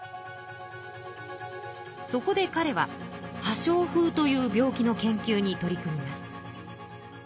そこでかれは破傷風という病気の研究に取り組みます。